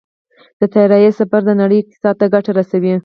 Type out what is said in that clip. د طیارې سفر د نړۍ اقتصاد ته ګټه رسوي.